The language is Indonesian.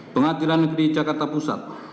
pengadilan negeri jakarta pusat